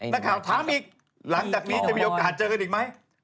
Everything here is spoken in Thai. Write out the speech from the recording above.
นักข่าวถามอีกหลังจากนี้จะมีโอกาสเจอกันอีกไหม